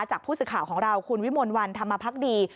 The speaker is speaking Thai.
จากผู้สื่อข่าวของเราคุณวิมลวันธรรมพักดี